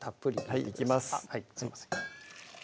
あっはいすいません